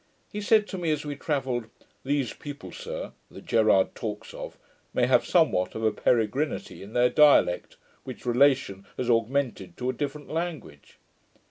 He said to me, as we travelled, 'these people, sir, that Gerard talks of, may have somewhat of a PEREGRINITY in their dialect, which relation has augmented to a different language'.